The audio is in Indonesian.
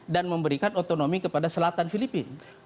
dan memberikan otonomi kepada selatan filipina